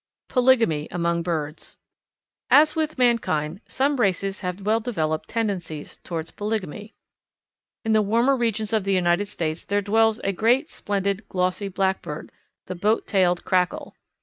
Polygamy Among Birds. As with mankind, some races have well developed tendencies toward polygamy. In the warmer regions of the United States there dwells a great, splendid, glossy Blackbird, the Boat tailed Crackle.